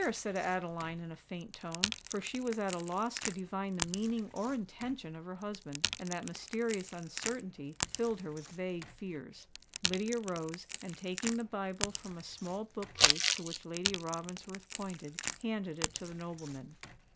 said Adeline in a faint tone—for she was at a loss to divine the meaning or intention of her husband; and that mysterious uncertainty filled her with vague fears. Lydia rose, and taking the Bible from a small book case to which Lady Ravensworth pointed, handed it to the nobleman.